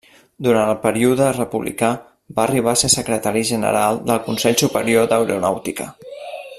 Durant el període republicà va arribar a ser secretari general del Consell Superior d'Aeronàutica.